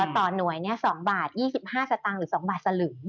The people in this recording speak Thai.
ต่อหน่วย๒บาท๒๕สตางค์หรือ๒บาทสลึง